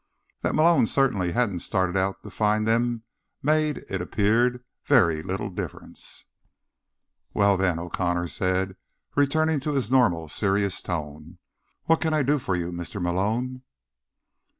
That Malone certainly hadn't started out to find them made, it appeared, very little difference. "Well, then," O'Connor said, returning to his normal, serious tone. "What can I do for you, Mr. Malone?"